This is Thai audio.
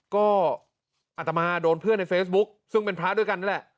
ก็อัตมาโดนเพื่อนในเฟซบุ๊คซึ่งเป็นพระด้วยกันนั่นแหละ